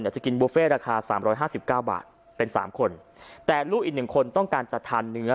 จะกินบุฟเฟ่ราคาสามร้อยห้าสิบเก้าบาทเป็นสามคนแต่ลูกอีกหนึ่งคนต้องการจะทานเนื้อ